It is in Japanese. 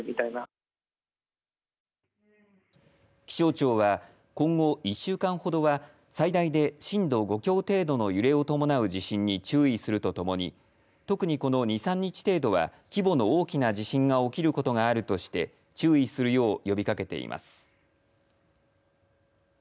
気象庁は、今後１週間ほどは最大で震度５強程度の揺れをともなう地震に注意するとともに特にこの２、３日程度は規模の大きな地震が起きることがあるとして注意するよう呼びかけています。